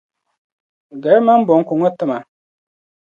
Gari mɔni bɔnku ŋɔ tima.